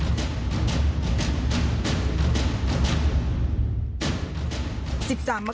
อันดับต่อไป